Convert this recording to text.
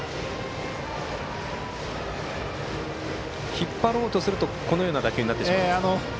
引っ張ろうとするとこのような打球になってしまうと。